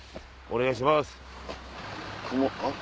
お願いします。